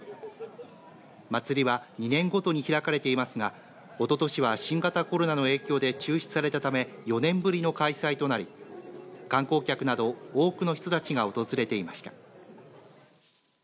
祭りは２年ごとに開かれていますがおととしは新型コロナの影響で中止されたため４年ぶりの開催となり観光客など多くの人たちが訪れていました。